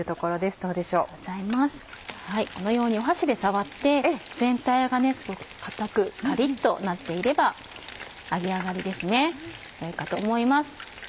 このように箸で触って全体がすごく硬くカリっとなっていれば揚げ上がりですねよいかと思います。